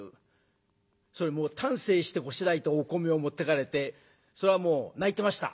それも丹精してこしらえたお米を持っていかれてそれはもう泣いてました。